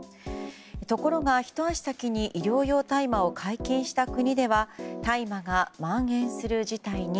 ところがひと足先に医療用大麻を解禁した国では大麻が蔓延する事態に。